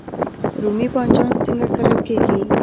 رومی بانجان څنګه کرل کیږي؟